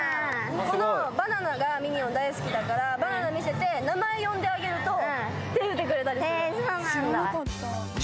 このバナナがミニオン大好きだからバナナ見せて名前呼んであげると手振ってくれたりするへえそうなんだ